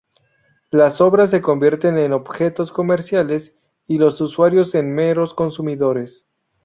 Las obras se convierten en objetos comerciales y los usuarios en meros consumidores.